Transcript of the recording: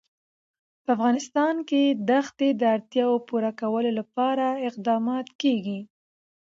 په افغانستان کې د ښتې د اړتیاوو پوره کولو لپاره اقدامات کېږي.